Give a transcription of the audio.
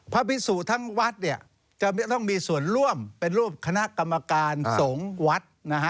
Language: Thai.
พระพิสูทั้งวัดจะต้องมีส่วนร่วมเป็นรูปคณะกรรมการสงศ์วัด